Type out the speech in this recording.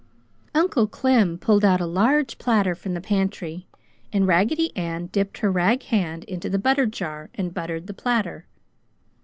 Uncle Clem pulled out a large platter from the pantry, and Raggedy Ann dipped her rag hand into the butter jar and buttered the platter.